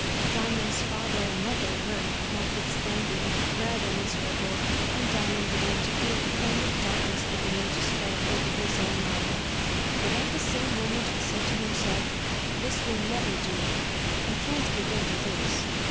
Diamond's father and mother were, notwithstanding, rather miserable, and Diamond began to feel a kind of darkness beginning to spread over his own mind. But the same moment he said to himself, "This will never do. I can't give in to this.